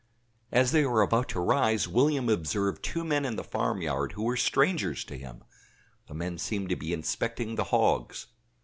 As they were about to rise, William observed two men in the farmyard who were strangers to him the men seemed to be inspecting the hogs.